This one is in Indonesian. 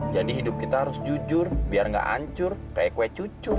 jadi hidup kita harus jujur biar gak ancur kayak kue cucu